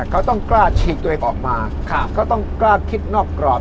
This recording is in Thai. เขาต้องกล้าฉีกตัวเองออกมาเขาต้องกล้าคิดนอกกรอบ